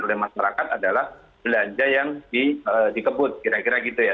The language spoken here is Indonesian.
oleh masyarakat adalah belanja yang dikebut kira kira gitu ya